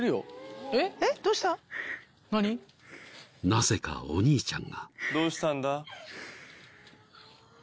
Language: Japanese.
［なぜかお兄ちゃんが］